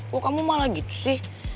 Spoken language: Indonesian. wah kamu malah gitu sih